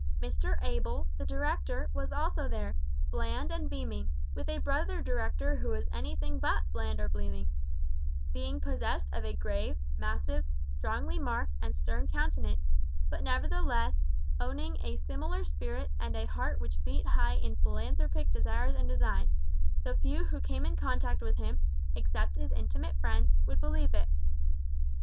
Mr Able, the director, was also there, bland and beaming, with a brother director who was anything but bland or beaming, being possessed of a grave, massive, strongly marked and stern countenance; but nevertheless, owning a similar spirit and a heart which beat high with philanthropic desires and designs though few who came in contact with him, except his intimate friends, would believe it.